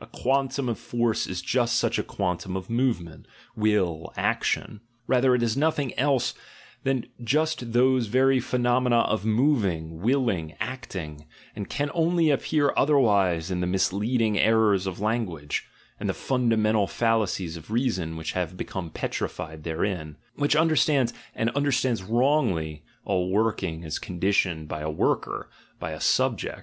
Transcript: A quantum of force is just such a quantum of movement, will, action — rather it is nothing else than just those very phenomena of moving, willing, acting, and can only appear other wise in the misleading errors of language (and the funda mental fallacies of reason which have become petrified therein), which understands, and understands wrongly, all working as conditioned by a worker, by a "subject."